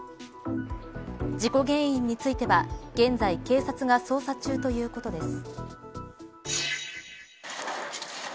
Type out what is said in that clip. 事故原因については現在、警察が捜査中ということです。